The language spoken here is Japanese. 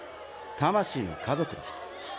魂の家族だ。